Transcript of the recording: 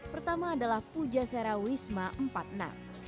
pertama adalah pujazera wisma empat puluh enam